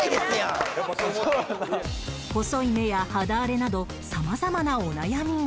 細い目や肌荒れなど様々なお悩みが